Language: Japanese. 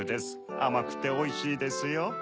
あまくておいしいですよ。